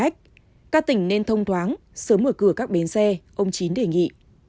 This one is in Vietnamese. các tỉnh nên thông thoáng sớm mở cửa các bến xe ông chín đề nghị